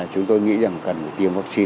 chúng tôi nghĩ rằng cần tiêm vaccine